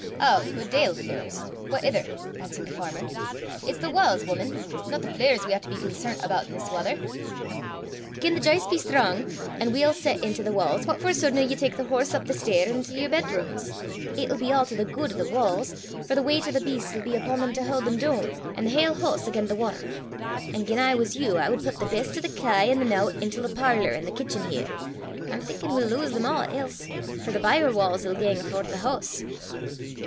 "Ow, guid dale fleers what ither?" answered the farmer. " It's the wa's, wuman, no the fleers we hae to be concernt aboot i' this wather." "Gien the j'ists be strang, an' weel set intil the wa's, what for sudna ye tak the horse up the stair intil yer bedrooms? It'll be a' to the guid o' the wa's, for the weicht o' the beasts 'll be upo' them to haud them doon, an' the haill hoose again' the watter. An' gien I was you, I wad pit the best o' the kye an' the nowt intil the parlour an' the kitchen here. I'm thinkin' we'll lowse them a' else; for the byre wa's 'll gang afore the hoose."